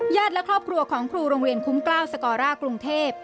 และครอบครัวของครูโรงเรียนคุ้มกล้าวสกอร่ากรุงเทพ